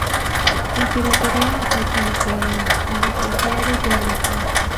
La piratería afecta a los creadores, a los trabajadores y en el Estado.